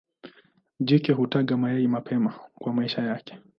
Jike hutaga mayai mapema kwa maisha yake.